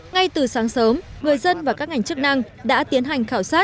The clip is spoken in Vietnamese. ngay từ sáng sớm người dân và các ngành chức năng đã tiến hành khảo sát